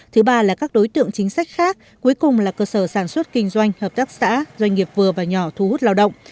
thứ ba là các đối tượng chính sách khác cuối cùng là cơ sở sản xuất kinh doanh hợp tác xã doanh nghiệp vừa và nhỏ thu hút lao động